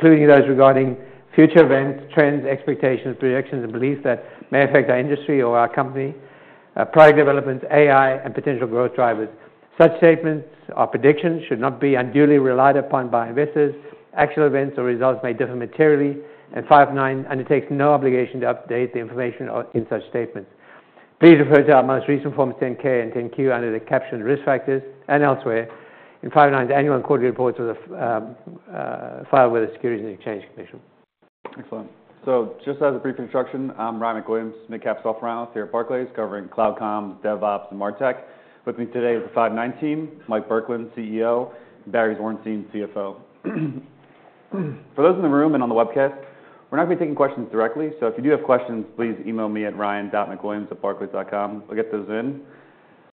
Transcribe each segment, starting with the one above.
Including those regarding future events, trends, expectations, projections, and beliefs that may affect our industry or our company, product developments, AI, and potential growth drivers. Such statements or predictions should not be unduly relied upon by investors. Actual events or results may differ materially, and Five9 undertakes no obligation to update the information in such statements. Please refer to our most recent Forms 10-K and 10-Q under the captioned risk factors and elsewhere in Five9's annual and quarterly reports filed with the Securities and Exchange Commission. Excellent. So just as a brief introduction, I'm Ryan MacWilliams, Mid-Cap Software Analyst here at Barclays covering CloudComm, DevOps, and MarTech. With me today is the Five9 team, Mike Burkland, CEO, and Barry Zwarenstein, CFO. For those in the room and on the webcast, we're not going to be taking questions directly, so if you do have questions, please email me at ryan.macwilliams@barclays.com. I'll get those in.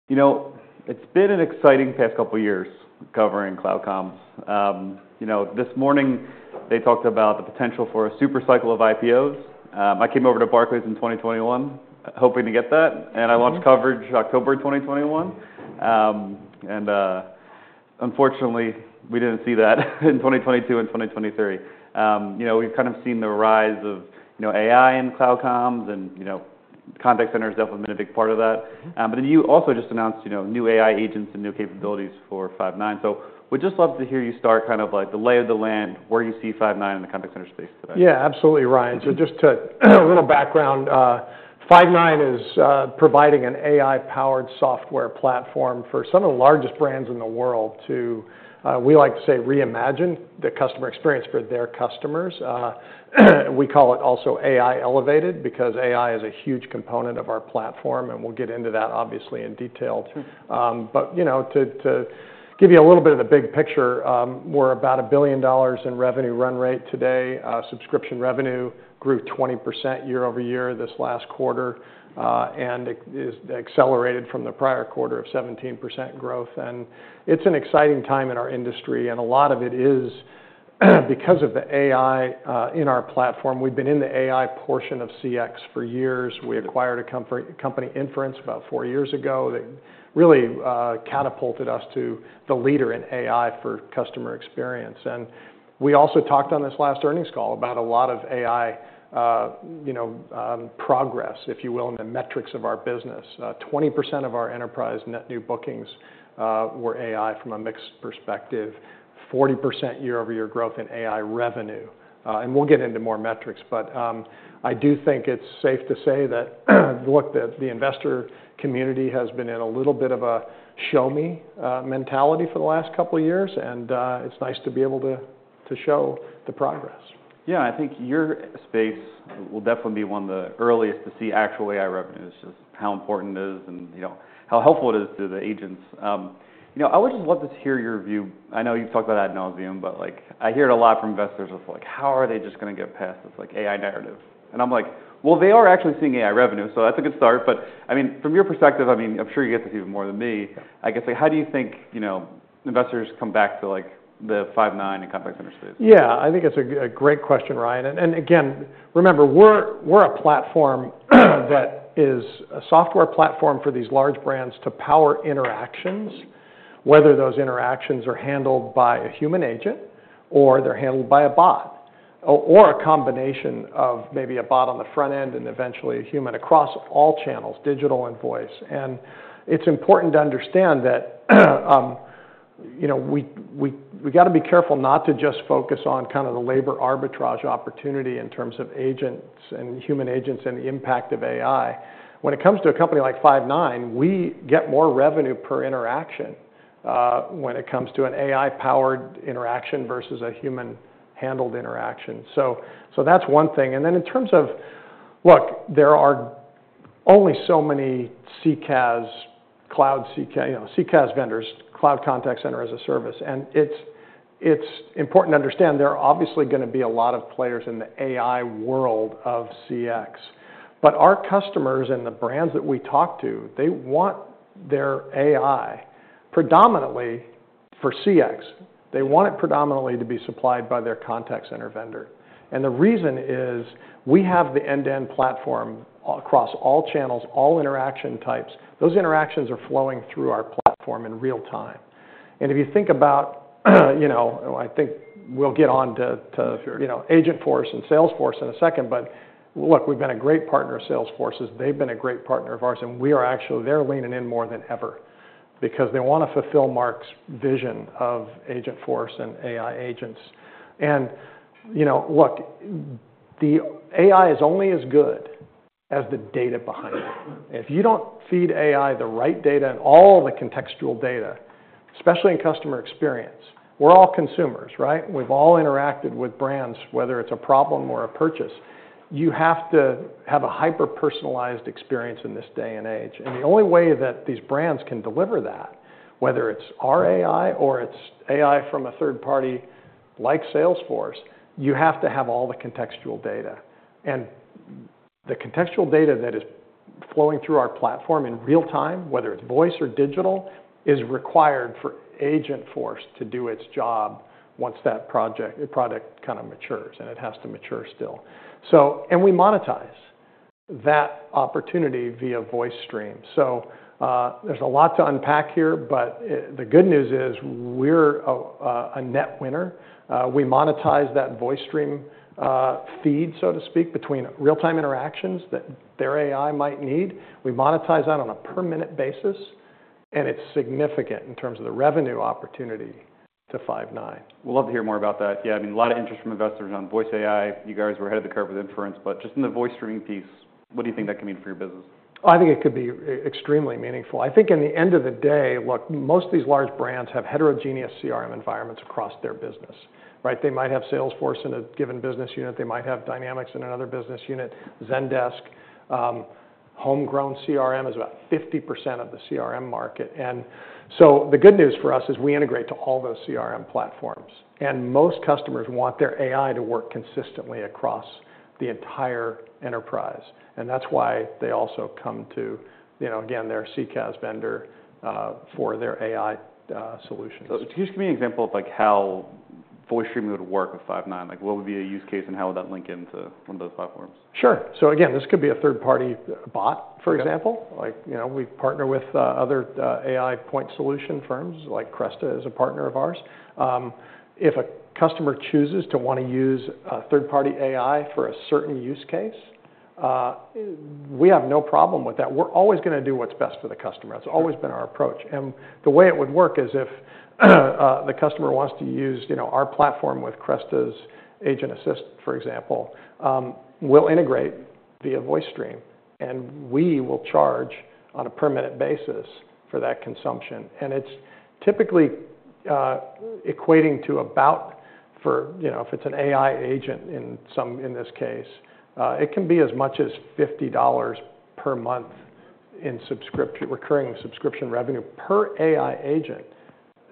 You know, it's been an exciting past couple of years covering CloudComm. You know, this morning they talked about the potential for a super cycle of IPOs. I came over to Barclays in 2021 hoping to get that, and I launched coverage October 2021. And unfortunately, we didn't see that in 2022 and 2023. You know, we've kind of seen the rise of AI in CloudComm, and contact centers definitely have been a big part of that. But then you also just announced new AI agents and new capabilities for Five9. So we'd just love to hear you start kind of like the lay of the land, where you see Five9 in the contact center space today. Yeah, absolutely, Ryan. So just a little background. Five9 is providing an AI-powered software platform for some of the largest brands in the world to, we like to say, reimagine the customer experience for their customers. We call it also AI-elevated because AI is a huge component of our platform, and we'll get into that obviously in detail. But to give you a little bit of the big picture, we're about $1 billion in revenue run rate today. Subscription revenue grew 20% year-over-year this last quarter and is accelerated from the prior quarter of 17% growth. And it's an exciting time in our industry, and a lot of it is because of the AI in our platform. We've been in the AI portion of CX for years. We acquired a company, Inference, about four years ago that really catapulted us to the leader in AI for customer experience. And we also talked on this last earnings call about a lot of AI progress, if you will, in the metrics of our business. 20% of our enterprise net new bookings were AI from a mixed perspective, 40% year-over-year growth in AI revenue. And we'll get into more metrics, but I do think it's safe to say that, look, the investor community has been in a little bit of a show-me mentality for the last couple of years, and it's nice to be able to show the progress. Yeah, I think your space will definitely be one of the earliest to see actual AI revenue, just how important it is and how helpful it is to the agents. You know, I would just love to hear your view. I know you've talked about ad nauseam, but I hear it a lot from investors of like, how are they just going to get past this AI narrative? And I'm like, well, they are actually seeing AI revenue, so that's a good start. But I mean, from your perspective, I mean, I'm sure you get this even more than me. I guess, how do you think investors come back to Five9 and contact center space? Yeah, I think it's a great question, Ryan. And again, remember, we're a platform that is a software platform for these large brands to power interactions, whether those interactions are handled by a human agent or they're handled by a bot or a combination of maybe a bot on the front end and eventually a human across all channels, digital and voice. And it's important to understand that we've got to be careful not to just focus on kind of the labor arbitrage opportunity in terms of agents and human agents and the impact of AI. When it comes to a company like Five9, we get more revenue per interaction when it comes to an AI-powered interaction versus a human-handled interaction. So that's one thing. And then in terms of, look, there are only so many CCaaS, Cloud CCaaS vendors, cloud contact center as a service. It's important to understand there are obviously going to be a lot of players in the AI world of CX. Our customers and the brands that we talk to, they want their AI predominantly for CX. They want it predominantly to be supplied by their contact center vendor. The reason is we have the end-to-end platform across all channels, all interaction types. Those interactions are flowing through our platform in real time. If you think about, you know, I think we'll get on to Agentforce and Salesforce in a second, but look, we've been a great partner of Salesforce's. They've been a great partner of ours, and we are actually, they're leaning in more than ever because they want to fulfill Marc's vision of Agentforce and AI agents. Look, the AI is only as good as the data behind it. If you don't feed AI the right data and all the contextual data, especially in customer experience, we're all consumers, right? We've all interacted with brands, whether it's a problem or a purchase. You have to have a hyper-personalized experience in this day and age. And the only way that these brands can deliver that, whether it's our AI or it's AI from a third party like Salesforce, you have to have all the contextual data. And the contextual data that is flowing through our platform in real time, whether it's voice or digital, is required for Agentforce to do its job once that product kind of matures, and it has to mature still. And we monetize that opportunity via VoiceStream. So there's a lot to unpack here, but the good news is we're a net winner. We monetize that VoiceStream feed, so to speak, between real-time interactions that their AI might need. We monetize that on a per-minute basis, and it's significant in terms of the revenue opportunity to Five9. We'd love to hear more about that. Yeah, I mean, a lot of interest from investors on voice AI. You guys were ahead of the curve with Inference, but just in the voice streaming piece, what do you think that can mean for your business? I think it could be extremely meaningful. I think in the end of the day, look, most of these large brands have heterogeneous CRM environments across their business, right? They might have Salesforce in a given business unit. They might have Dynamics in another business unit, Zendesk. Homegrown CRM is about 50% of the CRM market. And so the good news for us is we integrate to all those CRM platforms, and most customers want their AI to work consistently across the entire enterprise. And that's why they also come to, again, their CCaaS vendor for their AI solutions. So can you just give me an example of how VoiceStream would work with Five9? What would be a use case, and how would that link into one of those platforms? Sure. So again, this could be a third-party bot, for example. We partner with other AI point solution firms, like Cresta is a partner of ours. If a customer chooses to want to use a third-party AI for a certain use case, we have no problem with that. We're always going to do what's best for the customer. That's always been our approach. And the way it would work is if the customer wants to use our platform with Cresta's Agent Assist, for example, we'll integrate via VoiceStream, and we will charge on a per-minute basis for that consumption. And it's typically equating to about, if it's an AI agent in this case, it can be as much as $50 per month in recurring subscription revenue per AI agent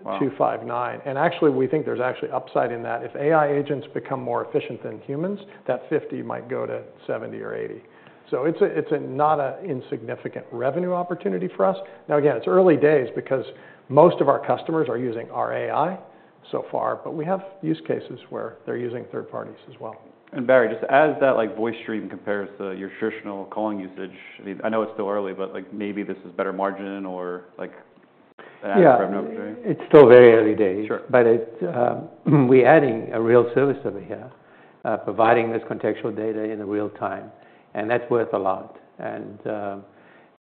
to Five9. And actually, we think there's actually upside in that. If AI agents become more efficient than humans, that $50 might go to $70 or $80. So it's not an insignificant revenue opportunity for us. Now, again, it's early days because most of our customers are using our AI so far, but we have use cases where they're using third parties as well. Barry, just as that VoiceStream compares to your traditional calling usage, I mean, I know it's still early, but maybe this is better margin or that. Yeah, it's still very early days. But we're adding a real service over here, providing this contextual data in real time, and that's worth a lot, and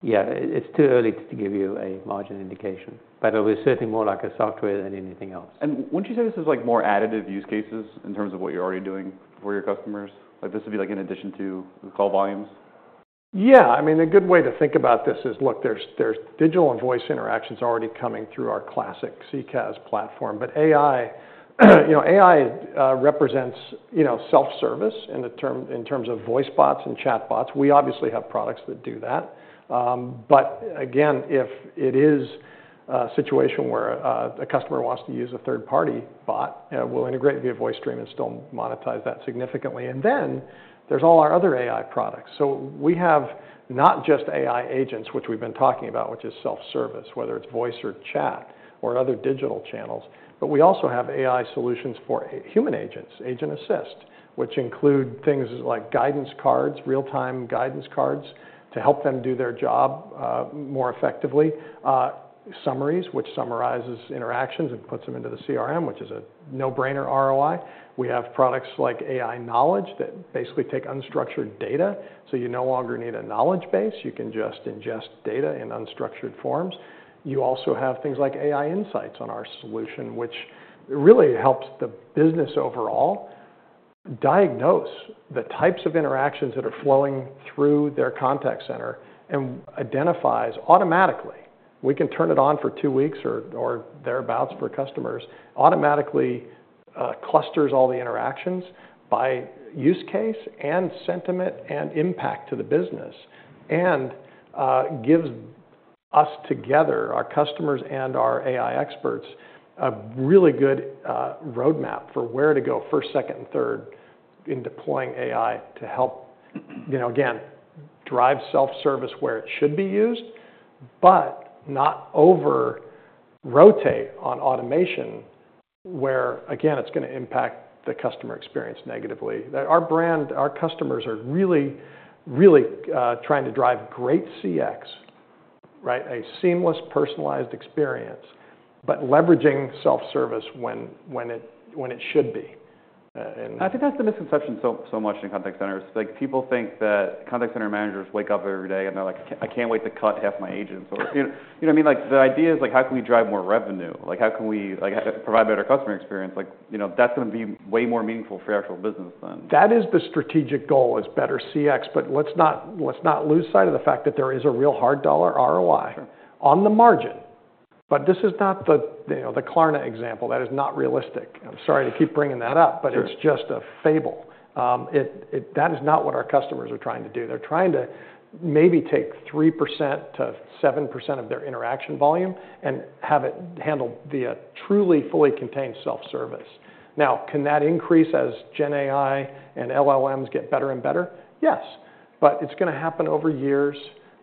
yeah, it's too early to give you a margin indication, but it was certainly more like a software than anything else. Wouldn't you say this is more additive use cases in terms of what you're already doing for your customers? This would be like in addition to the call volumes? Yeah, I mean, a good way to think about this is, look, there's digital and voice interactions already coming through our classic CCaaS platform. But AI represents self-service in terms of voice bots and chatbots. We obviously have products that do that. But again, if it is a situation where a customer wants to use a third-party bot, we'll integrate via VoiceStream and still monetize that significantly. And then there's all our other AI products. So we have not just AI agents, which we've been talking about, which is self-service, whether it's voice or chat or other digital channels, but we also have AI solutions for human agents, Agent Assist, which include things like guidance cards, real-time guidance cards to help them do their job more effectively, summaries, which summarizes interactions and puts them into the CRM, which is a no-brainer ROI. We have products like AI Knowledge that basically take unstructured data, so you no longer need a knowledge base. You can just ingest data in unstructured forms. You also have things like AI Insights on our solution, which really helps the business overall diagnose the types of interactions that are flowing through their contact center and identifies automatically. We can turn it on for two weeks or thereabouts for customers, automatically clusters all the interactions by use case and sentiment and impact to the business, and gives us together, our customers and our AI experts, a really good roadmap for where to go first, second, and third in deploying AI to help, again, drive self-service where it should be used, but not over-rotate on automation where, again, it's going to impact the customer experience negatively. Our brand, our customers are really, really trying to drive great CX, right? A seamless, personalized experience, but leveraging self-service when it should be. I think that's the misconception so much in contact centers. People think that contact center managers wake up every day and they're like, "I can't wait to cut half my agents." You know what I mean? The idea is like, how can we drive more revenue? How can we provide a better customer experience? That's going to be way more meaningful for your actual business than. That is the strategic goal is better CX, but let's not lose sight of the fact that there is a real hard dollar ROI on the margin. But this is not the Klarna example. That is not realistic. I'm sorry to keep bringing that up, but it's just a fable. That is not what our customers are trying to do. They're trying to maybe take 3%-7% of their interaction volume and have it handled via truly fully contained self-service. Now, can that increase as GenAI and LLMs get better and better? Yes, but it's going to happen over years,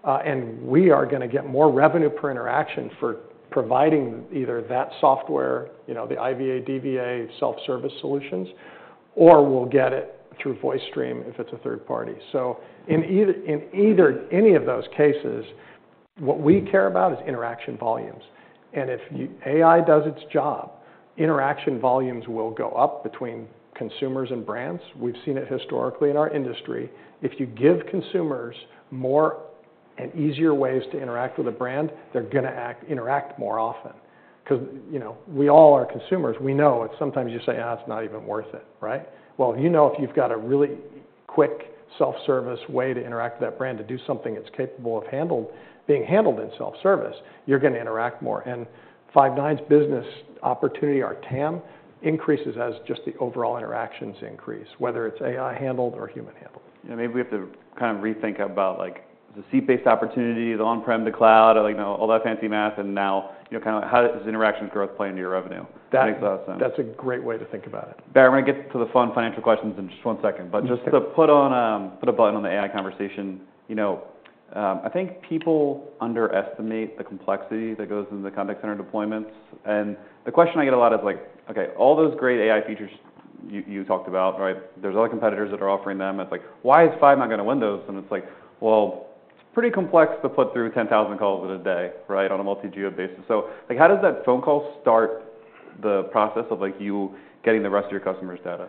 and we are going to get more revenue per interaction for providing either that software, the IVA, DVA, self-service solutions, or we'll get it through VoiceStream if it's a third party. So in either any of those cases, what we care about is interaction volumes. If AI does its job, interaction volumes will go up between consumers and brands. We've seen it historically in our industry. If you give consumers more and easier ways to interact with a brand, they're going to interact more often. Because we all are consumers. We know sometimes you say, it's not even worth it," right? You know if you've got a really quick self-service way to interact with that brand to do something that's capable of being handled in self-service, you're going to interact more. Five9's business opportunity, our TAM, increases as just the overall interactions increase, whether it's AI handled or human handled. Yeah, maybe we have to kind of rethink about the seat-based opportunity, the on-prem, the cloud, all that fancy math, and now kind of how does interaction growth play into your revenue? That makes a lot of sense. That's a great way to think about it. Barry, I'm going to get to the fun financial questions in just one second. But just to put a button on the AI conversation, I think people underestimate the complexity that goes into the contact center deployments. And the question I get a lot is like, "Okay, all those great AI features you talked about, right? There's other competitors that are offering them. It's like, why is Five9 not going to win those?" And it's like, well, it's pretty complex to put through 10,000 calls in a day, right, on a multi-geo basis. So how does that phone call start the process of you getting the rest of your customers' data?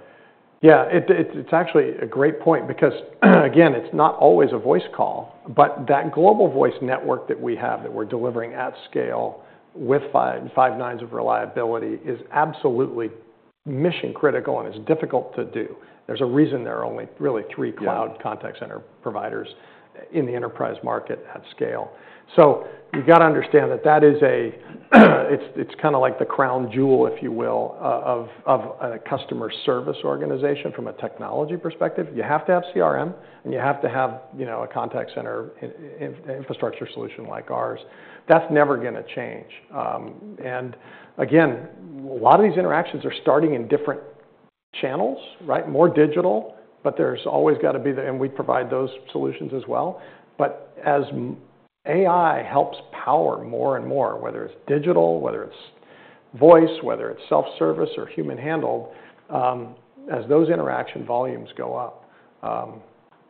Yeah, it's actually a great point because, again, it's not always a voice call, but that global voice network that we have that we're delivering at scale with Five9's reliability is absolutely mission-critical and is difficult to do. There's a reason there are only really three cloud contact center providers in the enterprise market at scale. So you've got to understand that that is a, it's kind of like the crown jewel, if you will, of a customer service organization from a technology perspective. You have to have CRM, and you have to have a contact center infrastructure solution like ours. That's never going to change. And again, a lot of these interactions are starting in different channels, right? More digital, but there's always got to be the, and we provide those solutions as well. But as AI helps power more and more, whether it's digital, whether it's voice, whether it's self-service or human handled, as those interaction volumes go up,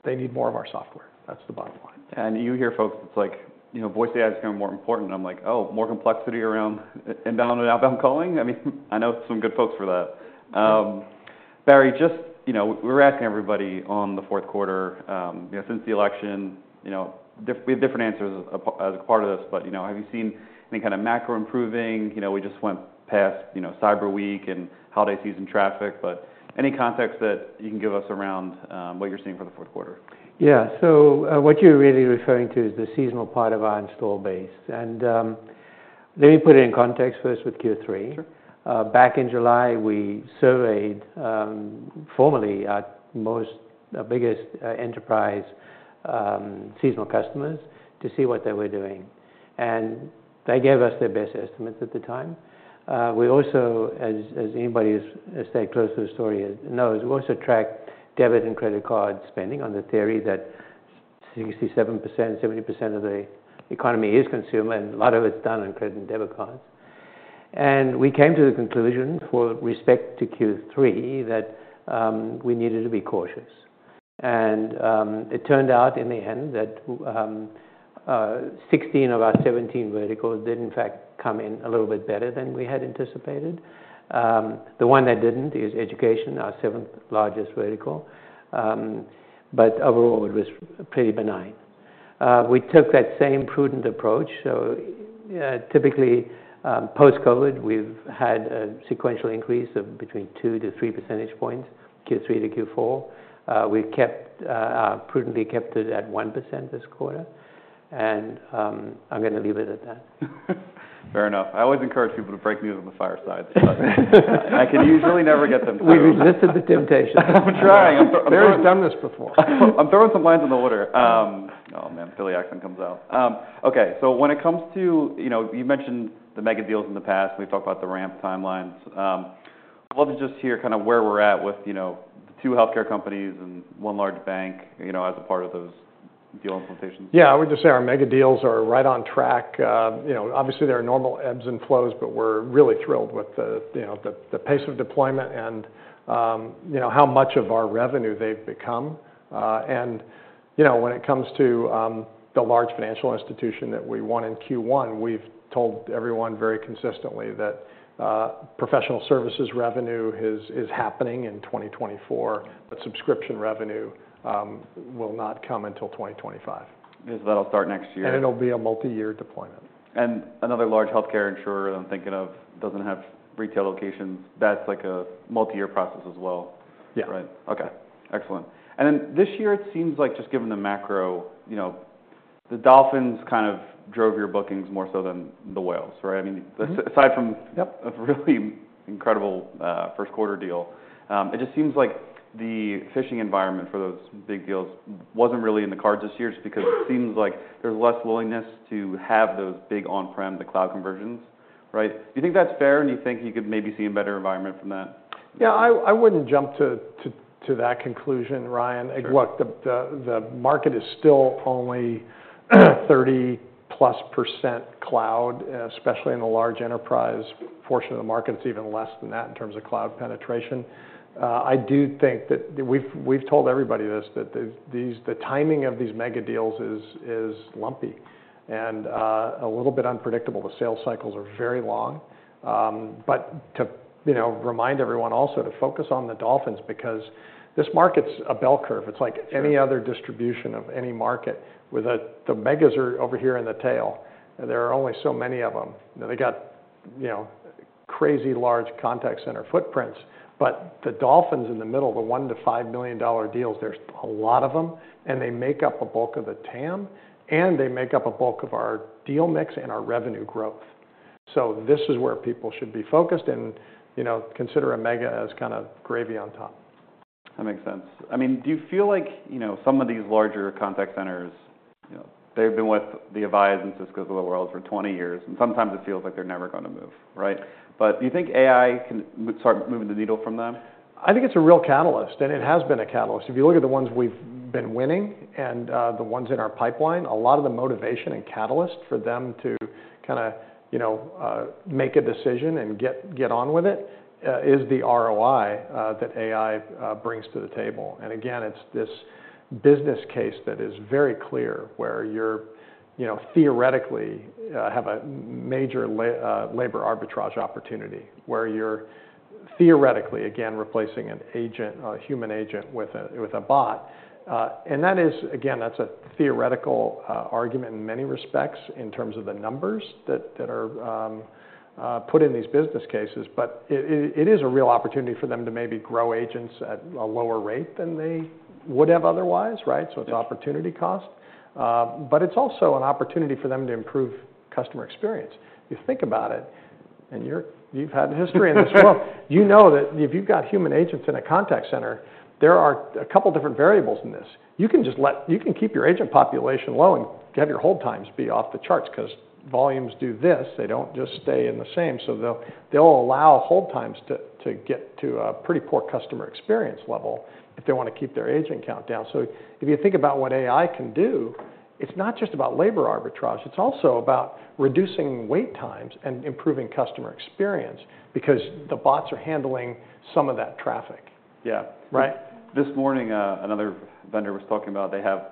they need more of our software. That's the bottom line. You hear folks, it's like, "Voice AI is becoming more important." I'm like, "Oh, more complexity around inbound and outbound calling?" I mean, I know some good folks for that. Barry, just we were asking everybody on the fourth quarter since the election, we have different answers as a part of this, but have you seen any kind of macro improving? We just went past Cyber Week and holiday season traffic, but any context that you can give us around what you're seeing for the fourth quarter? Yeah, so what you're really referring to is the seasonal part of our install base. And let me put it in context first with Q3. Back in July, we surveyed formally our biggest enterprise seasonal customers to see what they were doing. And they gave us their best estimates at the time. We also, as anybody who's stayed close to the story knows, we also tracked debit and credit card spending on the theory that 67%, 70% of the economy is consumed, and a lot of it's done on credit and debit cards. And we came to the conclusion with respect to Q3 that we needed to be cautious. And it turned out in the end that 16 of our 17 verticals did in fact come in a little bit better than we had anticipated. The one that didn't is education, our seventh largest vertical. But overall, it was pretty benign. We took that same prudent approach. So typically post-COVID, we've had a sequential increase of between 2 percentage to 3 percentage points, Q3 to Q4. We prudently kept it at 1% this quarter. And I'm going to leave it at that. Fair enough. I always encourage people to break news on the fireside. I can usually never get them to. We resisted the temptation. I'm trying. I've always done this before. I'm throwing some lines in the water. Oh man, Billy Ackman comes out. Okay, so when it comes to, you mentioned the mega deals in the past, and we've talked about the ramp timelines. I'd love to just hear kind of where we're at with the two healthcare companies and one large bank as a part of those deal implementations. Yeah, I would just say our mega deals are right on track. Obviously, there are normal ebbs and flows, but we're really thrilled with the pace of deployment and how much of our revenue they've become. And when it comes to the large financial institution that we won in Q1, we've told everyone very consistently that professional services revenue is happening in 2024, but subscription revenue will not come until 2025. Is that all start next year? It'll be a multi-year deployment. Another large healthcare insurer, I'm thinking of, doesn't have retail locations. That's like a multi-year process as well, right? Yeah. Okay, excellent. And then this year, it seems like just given the macro, the dolphins kind of drove your bookings more so than the whales, right? I mean, aside from a really incredible first quarter deal, it just seems like the fishing environment for those big deals wasn't really in the cards this year just because it seems like there's less willingness to have those big on-prem to the cloud conversions, right? Do you think that's fair, and do you think you could maybe see a better environment from that? Yeah, I wouldn't jump to that conclusion, Ryan. Look, the market is still only 30+% cloud, especially in the large enterprise portion of the market. It's even less than that in terms of cloud penetration. I do think that we've told everybody this, that the timing of these mega deals is lumpy and a little bit unpredictable. The sales cycles are very long. But to remind everyone also to focus on the dolphins because this market's a bell curve. It's like any other distribution of any market with the megas over here in the tail. There are only so many of them. They got crazy large contact center footprints, but the dolphins in the middle, the $1 million-$5 million deals, there's a lot of them, and they make up a bulk of the TAM, and they make up a bulk of our deal mix and our revenue growth. So this is where people should be focused and consider a mega as kind of gravy on top. That makes sense. I mean, do you feel like some of these larger contact centers, they've been with the Avaya and Cisco's of the world for 20 years, and sometimes it feels like they're never going to move, right? But do you think AI can start moving the needle from them? I think it's a real catalyst, and it has been a catalyst. If you look at the ones we've been winning and the ones in our pipeline, a lot of the motivation and catalyst for them to kind of make a decision and get on with it is the ROI that AI brings to the table. And again, it's this business case that is very clear where you're theoretically have a major labor arbitrage opportunity where you're theoretically, again, replacing an agent, a human agent with a bot. And that is, again, that's a theoretical argument in many respects in terms of the numbers that are put in these business cases, but it is a real opportunity for them to maybe grow agents at a lower rate than they would have otherwise, right? So it's opportunity cost, but it's also an opportunity for them to improve customer experience. You think about it, and you've had a history in this world. You know that if you've got human agents in a contact center, there are a couple of different variables in this. You can keep your agent population low and have your hold times be off the charts because volumes do this. They don't just stay in the same. So they'll allow hold times to get to a pretty poor customer experience level if they want to keep their agent count down. So if you think about what AI can do, it's not just about labor arbitrage. It's also about reducing wait times and improving customer experience because the bots are handling some of that traffic. Yeah, right. This morning, another vendor was talking about they have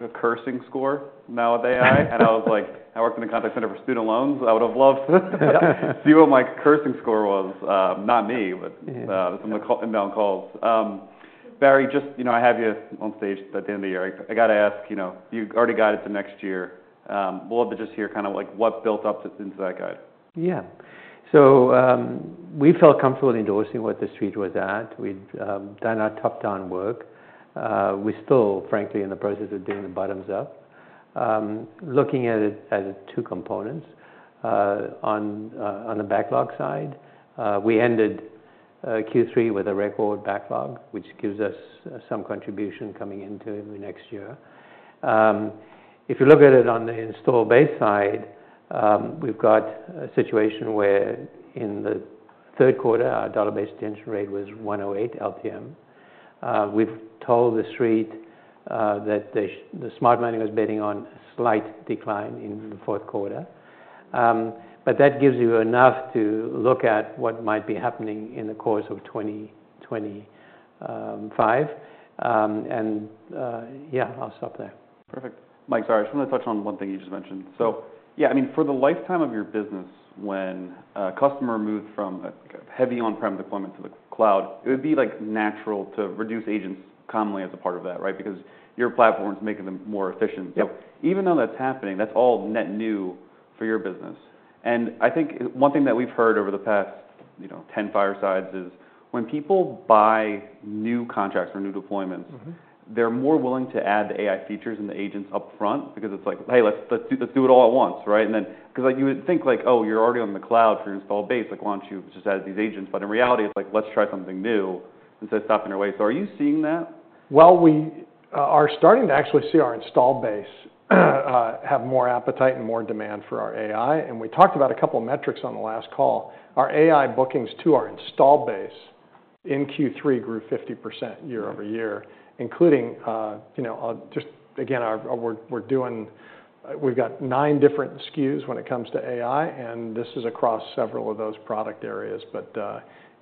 a cursing score now with AI, and I was like, I worked in a contact center for student loans. I would have loved to see what my cursing score was. Not me, but some of the inbound calls. Barry, just I have you on stage at the end of the year. I got to ask, you already guided to next year. We'll just hear kind of what built up into that guide. Yeah. So we felt comfortable endorsing what the street was at. We've done our top-down work. We're still, frankly, in the process of doing the bottoms up. Looking at it as two components. On the backlog side, we ended Q3 with a record backlog, which gives us some contribution coming into next year. If you look at it on the install base side, we've got a situation where in the third quarter, our dollar-based retention rate was 108 LTM. We've told the street that the smart money was betting on a slight decline in the fourth quarter. But that gives you enough to look at what might be happening in the course of 2025. And yeah, I'll stop there. Perfect. Mike Burkland, I want to touch on one thing you just mentioned. So yeah, I mean, for the lifetime of your business, when a customer moves from a heavy on-prem deployment to the cloud, it would be natural to reduce agents commonly as a part of that, right? Because your platform is making them more efficient. So even though that's happening, that's all net new for your business. And I think one thing that we've heard over the past 10 firesides is when people buy new contracts or new deployments, they're more willing to add the AI features and the agents upfront because it's like, "Hey, let's do it all at once," right? Because you would think like, "Oh, you're already on the cloud for your installed base. Why don't you just add these agents?" But in reality, it's like, "Let's try something new instead of stopping your way." So are you seeing that? We are starting to actually see our install base have more appetite and more demand for our AI. We talked about a couple of metrics on the last call. Our AI bookings to our install base in Q3 grew 50% year-over-year, including just, again, we've got nine different SKUs when it comes to AI, and this is across several of those product areas.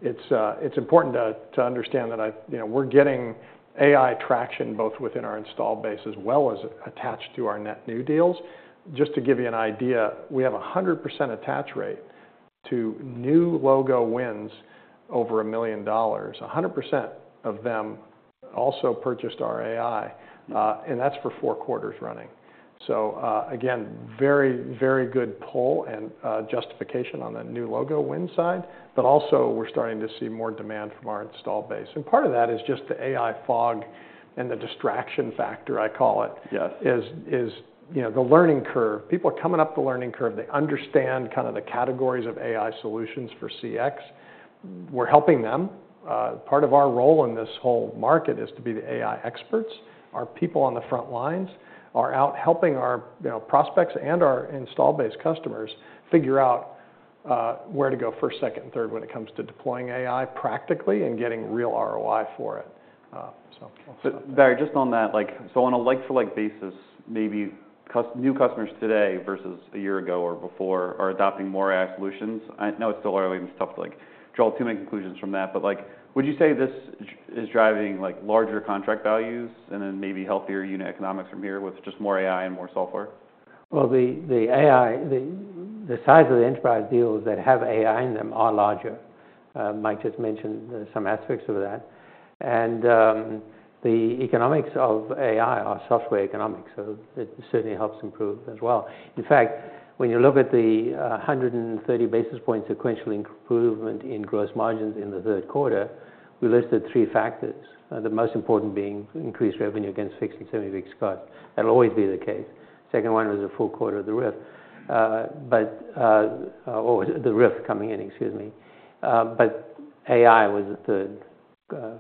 It's important to understand that we're getting AI traction both within our install base as well as attached to our net new deals. Just to give you an idea, we have a 100% attach rate to new logo wins over $1 million. 100% of them also purchased our AI, and that's for four quarters running. Again, very, very good pull and justification on the new logo win side, but also we're starting to see more demand from our install base. Part of that is just the AI fog and the distraction factor, I call it, is the learning curve. People are coming up the learning curve. They understand kind of the categories of AI solutions for CX. We're helping them. Part of our role in this whole market is to be the AI experts, our people on the front lines, our out helping our prospects and our install base customers figure out where to go first, second, and third when it comes to deploying AI practically and getting real ROI for it. So Barry, just on that, so on a like-for-like basis, maybe new customers today versus a year ago or before are adopting more AI solutions. I know it's still early and it's tough to draw too many conclusions from that, but would you say this is driving larger contract values and then maybe healthier unit economics from here with just more AI and more software? The size of the enterprise deals that have AI in them are larger. Mike just mentioned some aspects of that. The economics of AI are software economics, so it certainly helps improve as well. In fact, when you look at the 130 basis points sequential improvement in gross margins in the third quarter, we listed three factors, the most important being increased revenue against fixed and semi-fixed costs. That'll always be the case. Second one was a fourth quarter of the RIF, or the RIF coming in, excuse me. AI was the third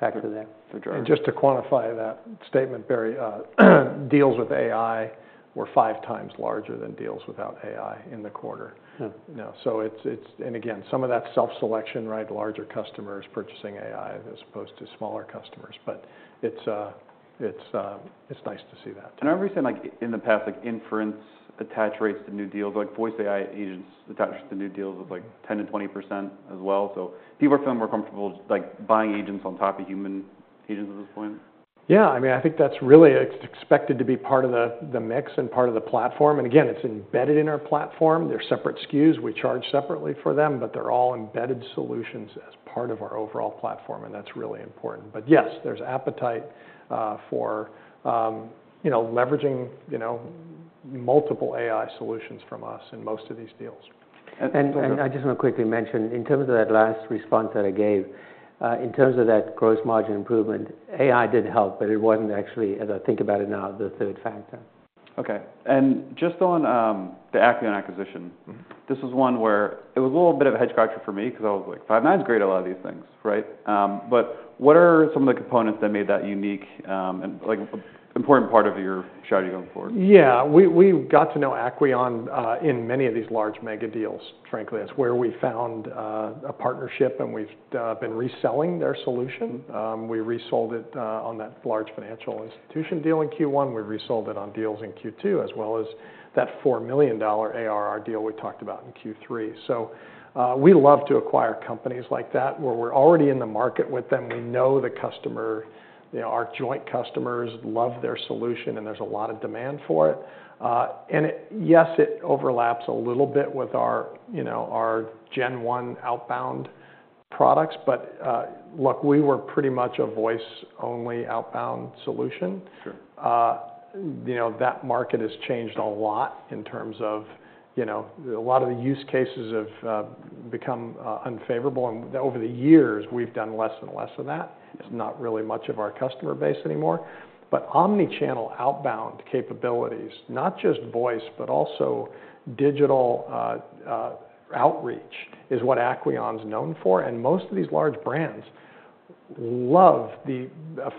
factor there. And just to quantify that statement, Barry, deals with AI were five times larger than deals without AI in the quarter. And again, some of that self-selection, right? Larger customers purchasing AI as opposed to smaller customers. But it's nice to see that. I've recently, in the past, Inference attach rates to new deals, like voice AI agents attached to new deals of like 10%-20% as well. So people are feeling more comfortable buying agents on top of human agents at this point. Yeah, I mean, I think that's really expected to be part of the mix and part of the platform, and again, it's embedded in our platform. They're separate SKUs. We charge separately for them, but they're all embedded solutions as part of our overall platform, and that's really important, but yes, there's appetite for leveraging multiple AI solutions from us in most of these deals. And I just want to quickly mention, in terms of that last response that I gave, in terms of that gross margin improvement, AI did help, but it wasn't actually, as I think about it now, the third factor. Okay. And just on the Acqueon acquisition, this was one where it was a little bit of a for me because I was like, "Five9's great at a lot of these things," right? But what are some of the components that made that unique and important part of your strategy going forward? Yeah, we got to know Acqueon in many of these large mega deals, frankly. That's where we found a partnership, and we've been reselling their solution. We resold it on that large financial institution deal in Q1. We resold it on deals in Q2, as well as that $4 million ARR deal we talked about in Q3. So we love to acquire companies like that where we're already in the market with them. We know the customer, our joint customers love their solution, and there's a lot of demand for it. And yes, it overlaps a little bit with our Gen One outbound products, but look, we were pretty much a voice-only outbound solution. That market has changed a lot in terms of a lot of the use cases have become unfavorable. And over the years, we've done less and less of that. It's not really much of our customer base anymore. But omnichannel outbound capabilities, not just voice, but also digital outreach is what Acqueon's known for. And most of these large brands love the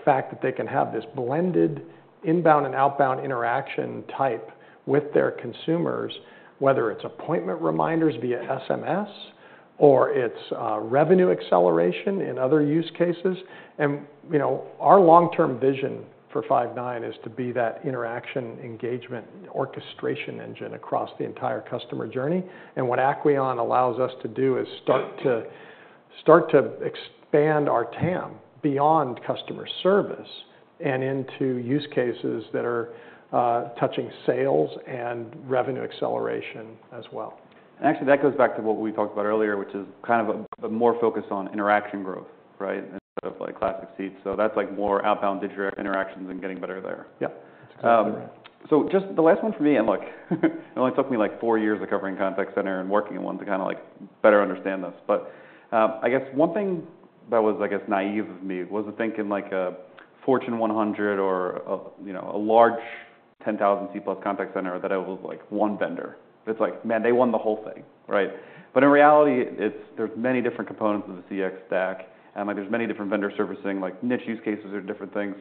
fact that they can have this blended inbound and outbound interaction type with their consumers, whether it's appointment reminders via SMS or it's revenue acceleration in other use cases. And our long-term vision for Five9 is to be that interaction, engagement, orchestration engine across the entire customer journey. And what Acqueon allows us to do is start to expand our TAM beyond customer service and into use cases that are touching sales and revenue acceleration as well. And actually, that goes back to what we talked about earlier, which is kind of more focused on interaction growth, right, instead of classic seats. So that's like more outbound digital interactions and getting better there. Yeah, that's exactly right. Just the last one for me, and look, it only took me like four years of covering contact center and working on one to kind of better understand this. But I guess one thing that was, I guess, naive of me was to think in like a Fortune 100 or a large 10,000-seat-plus contact center that it was like one vendor. It's like, man, they won the whole thing, right? But in reality, there's many different components of the CX stack, and there's many different vendors servicing niche use cases or different things.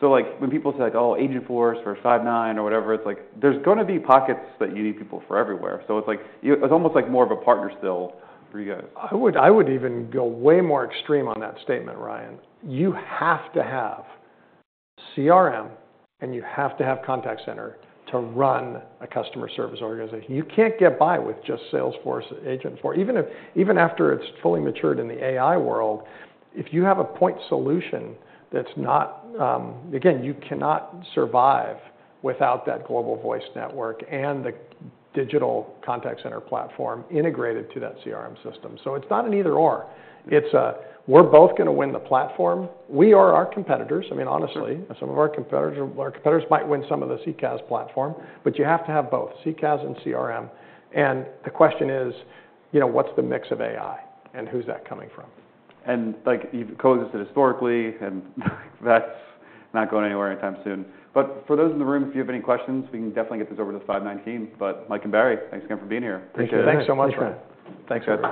So when people say like, "Oh, Agentforce versus Five9 or whatever," it's like there's going to be pockets that you need people for everywhere. So it's almost like more of a partner still for you guys. I would even go way more extreme on that statement, Ryan. You have to have CRM, and you have to have contact center to run a customer service organization. You can't get by with just Salesforce, Agentforce. Even after it's fully matured in the AI world, if you have a point solution that's not, again, you cannot survive without that global voice network and the digital contact center platform integrated to that CRM system. So it's not an either/or. It's a, we're both going to win the platform. We are our competitors. I mean, honestly, some of our competitors might win some of the CCaaS platform, but you have to have both CCaaS and CRM. And the question is, what's the mix of AI and who's that coming from? You've co-existed historically, and that's not going anywhere anytime soon. But for those in the room, if you have any questions, we can definitely get this over to Five9. But Mike and Barry, thanks again for being here. Thanks so much, man. Thanks, guys.